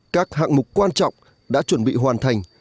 các hạng mục quan trọng đã chuẩn bị hoàn thành